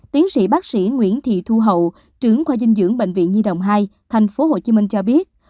tiến sĩ bác sĩ nguyễn thị thu hậu trưởng khoa dinh dưỡng bệnh viện nhi đồng hai tp hcm cho biết